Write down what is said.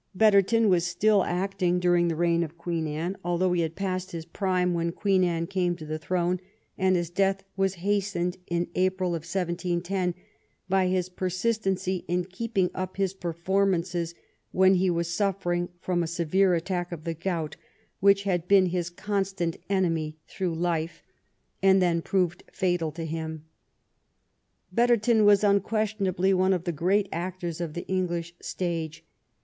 Bet terton was still acting during the reign of Queen Anne, although he had passed his prime when Anne came to the throne, and his death was hastened in April, 1710, by his persistency in keeping up his performances when he was suffering from a severe attack of the gout, which had been his constant enemy through life, and then 196" "THE TRIVIAL ROUND— THE COMMON TASK'' proved fatal to him. Betterton was unquestionably one of the great actors of the English stage.